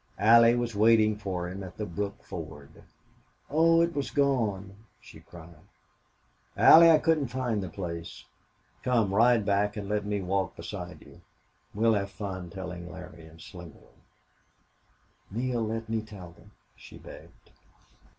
Allie was waiting for him at the brook ford. "Oh, it was gone!" she cried. "Allie, I couldn't find the place. Come, ride back and let me walk beside you.... We'll have fun telling Larry and Slingerland." "Neale, let me tell them," she begged.